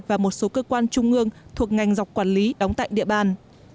và một số cơ quan trung ương thuộc ngành dọc quản lý đóng tại địa bàn